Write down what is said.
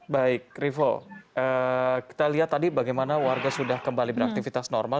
baik rivo kita lihat tadi bagaimana warga sudah kembali beraktivitas normal